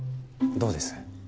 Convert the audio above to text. どうです？